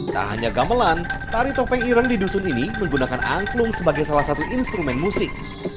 tak hanya gamelan tari topeng ireng di dusun ini menggunakan angklung sebagai salah satu instrumen musik